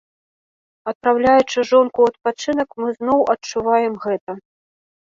Адпраўляючы жонку ў адпачынак, мы зноў адчуваем гэта.